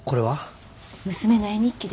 娘の絵日記です。